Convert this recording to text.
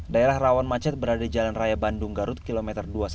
daerah rawan macet berada di jalan raya bandung garut km dua puluh satu